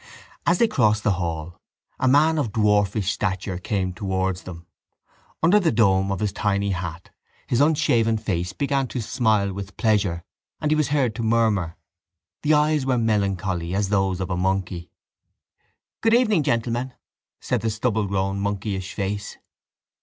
As they crossed the hall a man of dwarfish stature came towards them. Under the dome of his tiny hat his unshaven face began to smile with pleasure and he was heard to murmur. The eyes were melancholy as those of a monkey. —Good evening, gentlemen, said the stubble grown monkeyish face.